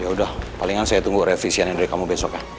ya udah palingan saya tunggu revisiannya dari kamu besok ya